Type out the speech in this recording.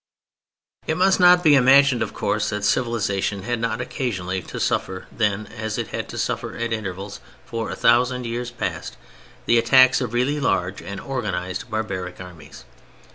It must not be imagined, of course, that civilization had not occasionally to suffer then, as it had had to suffer at intervals for a thousand years past, the attacks of really large and organized barbaric armies.